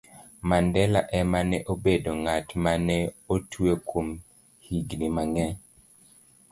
Mandela ema ne obedo ng'at ma ne otwe kuom higini mang'eny